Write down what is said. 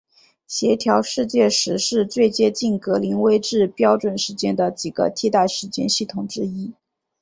协调世界时是最接近格林威治标准时间的几个替代时间系统之一。